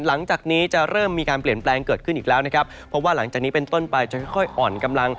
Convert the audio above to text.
หลังจากนี้จะเริ่มมีการเปลี่ยนแปลงเกิดขึ้นอีกแล้วนะครับเพราะว่าหลังจากนี้เป็นต้นไปจะค่อยอ่อนกำลัง